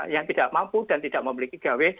yang tidak mampu dan tidak memiliki gawe